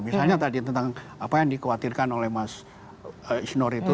misalnya tadi tentang apa yang dikhawatirkan oleh mas isnur itu